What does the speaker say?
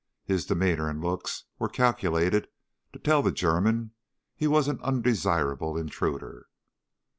His demeanor and looks were calculated to tell the German he was an undesirable intruder.